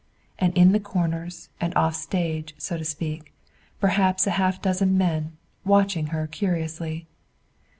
And in corners and off stage, so to speak, perhaps a half dozen men, watching her curiously.